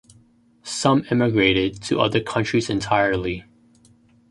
Some emigrated to other countries entirely.